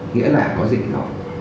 nghĩa là có dịch rồi